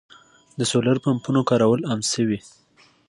د سولر پمپونو کارول عام شوي.